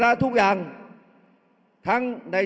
เอาข้างหลังลงซ้าย